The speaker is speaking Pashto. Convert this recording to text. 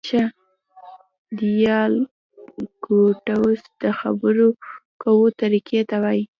ډیالکټوس د خبري کوو طریقې ته وایي.